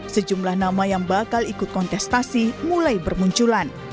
sejumlah nama yang bakal ikut kontestasi mulai bermunculan